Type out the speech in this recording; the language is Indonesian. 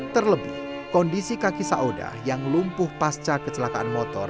terlebih kondisi kaki sauda yang lumpuh pasca kecelakaan motor